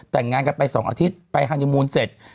แต่งงานกันไป๒อาทิตย์ไปฮานิมูลเสร็จ